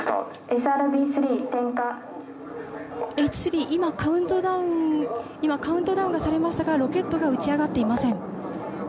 Ｈ３、今カウントダウンがされましたがロケットが打ち上がっていません。